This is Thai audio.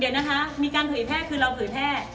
เดี๋ยวนะคะมีการเผยแพร่คือเราเผยแพร่